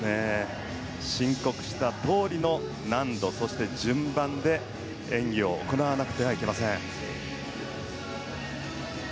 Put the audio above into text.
申告したとおりの難度そして順番で演技を行わなくてはいけません。